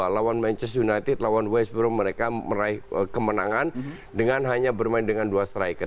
lawan manchester united lawan west brow mereka meraih kemenangan dengan hanya bermain dengan dua striker